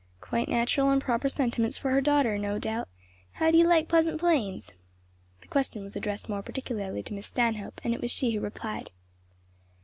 "Quite natural and proper sentiments for her daughter, no doubt. How do you like Pleasant Plains?" The question was addressed more particularly to Miss Stanhope, and it was she who replied.